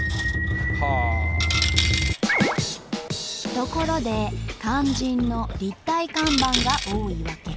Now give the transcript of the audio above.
ところで肝心の立体看板が多い訳。